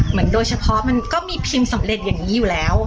โดยเฉพาะมันก็มีพิมพ์สำเร็จอย่างนี้อยู่แล้ว